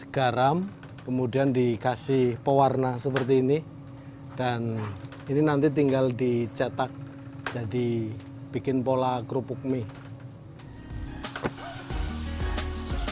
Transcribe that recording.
garam kemudian dikasih pewarna seperti ini dan ini nanti tinggal dicetak jadi bikin pola kerupuk mie